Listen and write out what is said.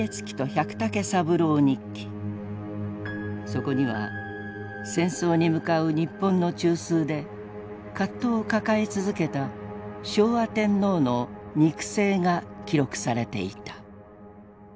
そこには戦争に向かう日本の中枢で葛藤を抱え続けた昭和天皇の肉声が記録されていた。